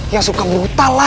ya suka brutal lah